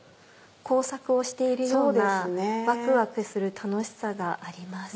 工作をしているようなワクワクする楽しさがあります。